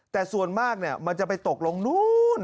แต่ส่วนมากมันจะไปตกลงนู้น